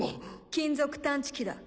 金属探知機だ。